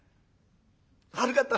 悪かったな。